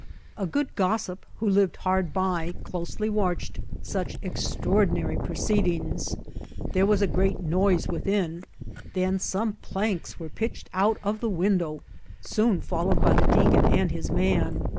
A good gossip, who lived hard by, closely watched such extraordinary proceedings. There was a great noise within, then some planks were pitched out of the window, soon followed by the deacon and his man.